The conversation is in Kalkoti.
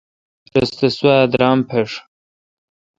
رس تہ سوا درام پݭہ۔